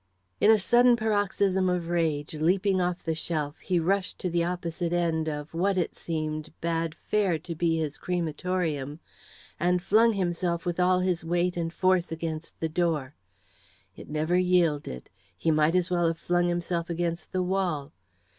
In a sudden paroxysm of rage, leaping off the shelf, he rushed to the opposite end of what, it seemed, bade fair to be his crematorium, and flung himself with all his weight and force against the door. It never yielded he might as well have flung himself against the wall.